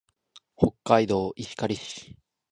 北海道石狩市